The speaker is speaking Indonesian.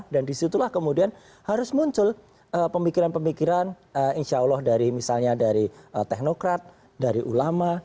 disitulah kemudian harus muncul pemikiran pemikiran insya allah dari misalnya dari teknokrat dari ulama